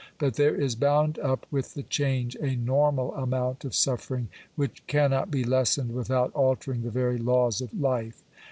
But there is bound up with the change a normal amount of suffering, which cannot be lessened without altering the very laws of life.